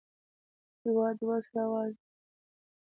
هېواد د وصل اواز دی.